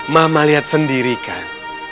mama lihat sendiri kan